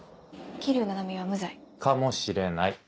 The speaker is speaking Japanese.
桐生菜々美は無罪。かもしれない。